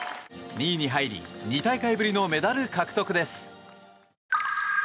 ２位に入り２大会ぶりのメダル獲得です。